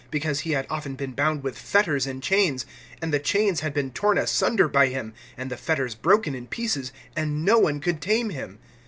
(4)Because he had often been bound with fetters and chains; and the chains had been torn asunder by him, and the fetters broken in pieces, and no one could tame him.